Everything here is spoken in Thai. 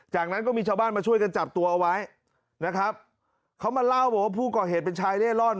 จากนั้นก็มีชาวบ้านมาช่วยกันจับตัวเอาไว้นะครับเขามาเล่าบอกว่าผู้ก่อเหตุเป็นชายเล่ร่อน